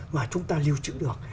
mà chúng ta lưu trữ được